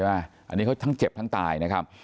อันนี้เขาทั้งเจ็บทั้งตายนะครับ